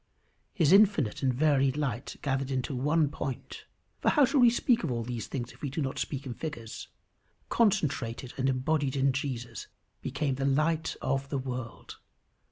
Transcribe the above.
His infinite and varied light gathered into one point for how shall we speak at all of these things if we do not speak in figures? concentrated and embodied in Jesus, became the light of the world.